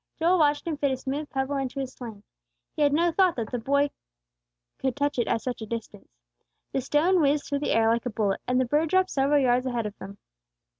Joel watched him fit a smooth pebble into his sling; he had no thought that the boy could touch it at such a distance. The stone whizzed through the air like a bullet, and the bird dropped several yards ahead of them.